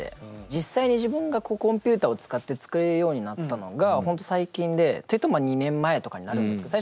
実際に自分がコンピューターを使って作れるようになったのが本当最近でっていうと２年前とかになるんですけど。